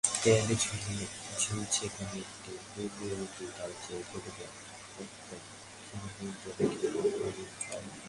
দেয়ালে ঝুলছে কোনো একটি দূরবর্তী কালের ফোটোগ্রাফের প্রেতাত্মা, ক্ষীণ হলদে রেখায় বিলীনপ্রায়।